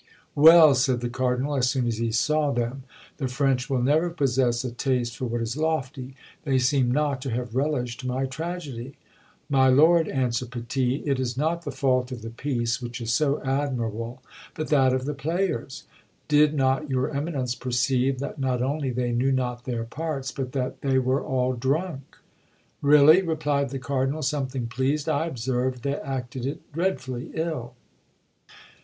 "Well!" said the Cardinal, as soon as he saw them, "the French will never possess a taste for what is lofty; they seem not to have relished my tragedy." "My lord," answered Petit, "it is not the fault of the piece, which is so admirable, but that of the players. Did not your eminence perceive that not only they knew not their parts, but that they were all drunk?" "Really," replied the Cardinal, something pleased, "I observed they acted it dreadfully ill."